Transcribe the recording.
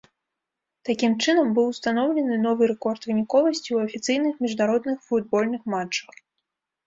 Такім чынам быў устаноўлены новы рэкорд выніковасці ў афіцыйных міжнародных футбольных матчах.